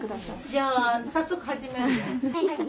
じゃあ早速始めるよ。